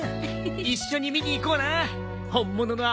一緒に見に行こうな本物の青い海。